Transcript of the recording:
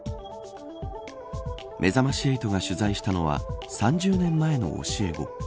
めざまし８が取材したのは３０年前の教え子。